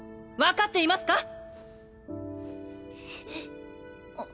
分かっていますか！